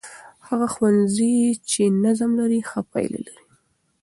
هغه ښوونځی چې نظم لري، ښه پایله لري.